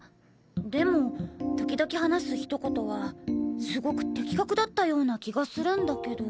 でも時々話すひと言はすごく的確だったような気がするんだけど。